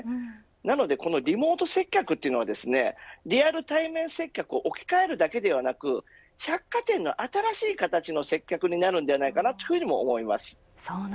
なので、リモート接客というのはリアル対面接客を置き換えるだけではなく百貨店の新しい形の接客になると思います。